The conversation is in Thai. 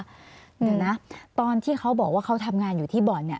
เดี๋ยวนะตอนที่เขาบอกว่าเขาทำงานอยู่ที่บ่อนเนี่ย